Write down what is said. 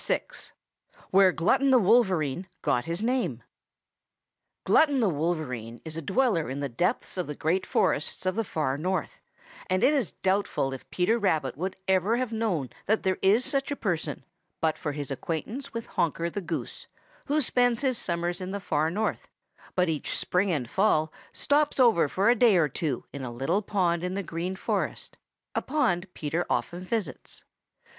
_] VI WHERE GLUTTON THE WOLVERINE GOT HIS NAME Glutton the Wolverine is a dweller in the depths of the Great Forests of the Far North, and it is doubtful if Peter Rabbit would ever have known that there is such a person but for his acquaintance with Honker the Goose, who spends his summers in the Far North, but each spring and fall stops over for a day or two in a little pond in the Green Forest, a pond Peter often visits.